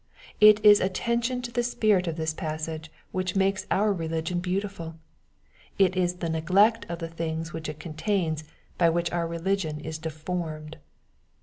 It is attention to the spirit of this passage which makes our religion beautifuL It is the neglect of the things which it contains by which our religion is deformed.